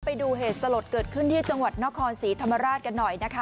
ไปดูเหตุสลดเกิดขึ้นที่จังหวัดนครศรีธรรมราชกันหน่อยนะคะ